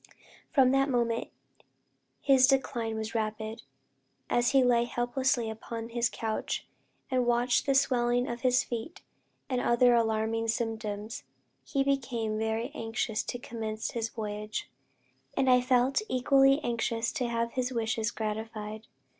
From that moment his decline was rapid. As he lay helplessly upon his couch, and watched the swelling of his feet, and other alarming symptoms, he became very anxious to commence his voyage, and I felt equally anxious to have his wishes gratified.